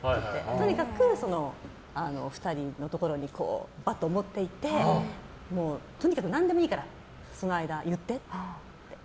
とにかく２人のところにバットを持って行ってとにかく何でもいいから言ってって。